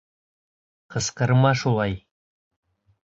Ҡысҡырма шулай!